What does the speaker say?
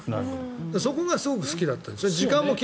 そこがすごく好きだったんです。